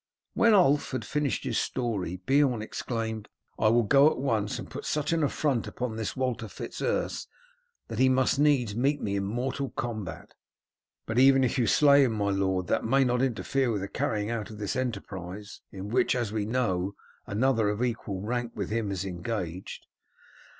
When Ulf had finished his story Beorn exclaimed, "I will go at once, and will put such an affront upon this Walter Fitz Urse that he must needs meet me in mortal combat." "But even if you slay him, my lord, that may not interfere with the carrying out of this enterprise, in which, as we know, another of equal rank with him is engaged."